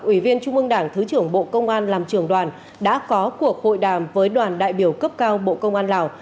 ủy viên trung ương đảng thứ trưởng bộ công an làm trưởng đoàn đã có cuộc hội đàm với đoàn đại biểu cấp cao bộ công an lào